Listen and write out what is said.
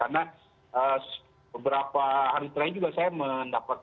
karena beberapa hari terakhir juga saya mendapatkan